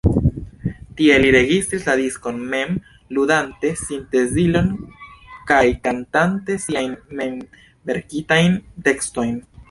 Tie li registris la diskon, mem ludante sintezilon kaj kantante siajn memverkitajn tekstojn.